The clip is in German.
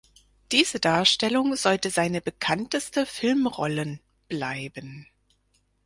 Diese Darstellung sollte seine bekannteste Filmrollen bleiben.